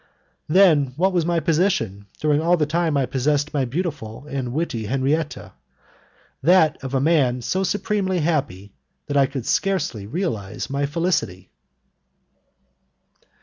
Then what was my position during all the time that I possessed my beautiful and witty Henriette? That of a man so supremely happy that I could scarcely realize my felicity!